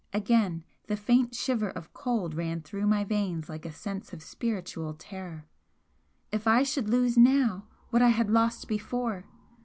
Again the faint shiver of cold ran through my veins like a sense of spiritual terror. If I should lose now what I had lost before!